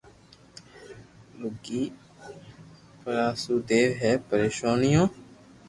رگي پرآݾونيو ھي پريݾونيون